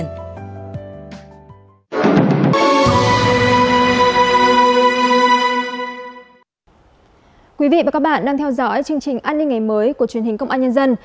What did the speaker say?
thưa quý vị và các bạn đang theo dõi chương trình an ninh ngày mới của truyền hình công an nhân dân